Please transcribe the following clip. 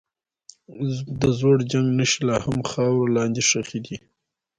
د زوړ جنګ نښې لا هم خاورو لاندې ښخي دي.